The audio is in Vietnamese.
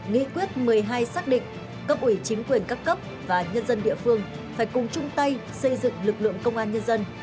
nghị quyết một mươi hai xác định cấp ủy chính quyền các cấp và nhân dân địa phương phải cùng chung tay xây dựng lực lượng công an nhân dân